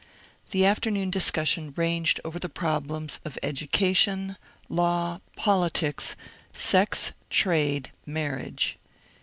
The afternoon discussion ranged oyer the problems of Edu cation, Law, Politics, Sex, Trade, Marriage.